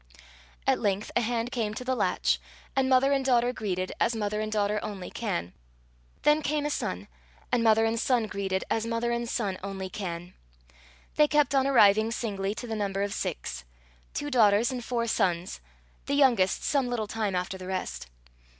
At length a hand came to the latch, and mother and daughter greeted as mother and daughter only can; then came a son, and mother and son greeted as mother and son only can. They kept on arriving singly to the number of six two daughters and four sons, the youngest some little time after the rest.